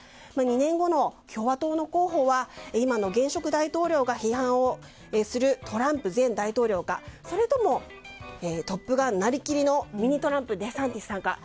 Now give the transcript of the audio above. ２年後の共和党の候補は今の現職大統領が批判をするトランプ前大統領かそれとも「トップガン」なりきりのミニ・トランプデサンティスさんか。